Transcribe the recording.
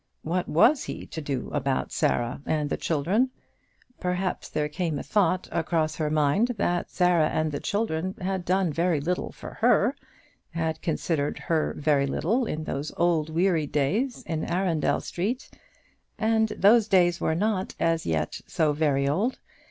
What was he to do about Sarah and the children? Perhaps there came a thought across her mind that Sarah and the children had done very little for her, had considered her very little, in those old, weary days, in Arundel Street. And those days were not, as yet, so very old.